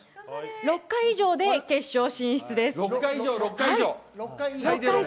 ６回以上で決勝進出です。